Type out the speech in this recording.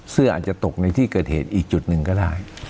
เสื้ออาจจะตกในที่เกิดเหตุอีกจุดหนึ่งก็ได้